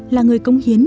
là người cống hiến